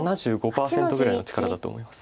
７５％ぐらいの力だと思います。